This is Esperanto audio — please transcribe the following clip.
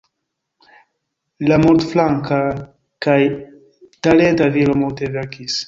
La multflanka kaj talenta viro multe verkis.